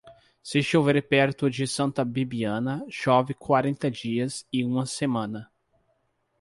Se chover perto de Santa Bibiana, chove quarenta dias e uma semana.